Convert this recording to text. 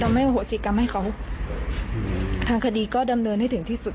ไม่โหสิกรรมให้เขาทางคดีก็ดำเนินให้ถึงที่สุด